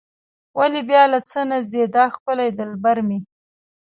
ولې بیا له څه نه ځي دا ښکلی دلبر مې.